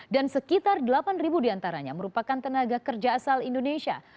dan sekitar delapan diantaranya merupakan tenaga kerja asal indonesia